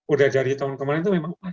udah dari tahun kemarin itu memang ada